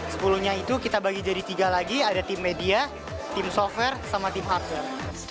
sepuluh nya itu kita bagi jadi tiga lagi ada tim media tim software sama tim hardware